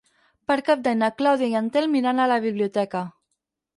Per Cap d'Any na Clàudia i en Telm iran a la biblioteca.